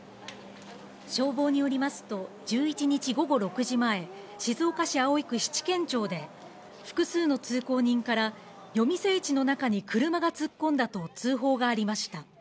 消防によりますと、１１日午後６時前、静岡市葵区七間町で、複数の通行人から、夜店市の中に車が突っ込んだと通報がありました。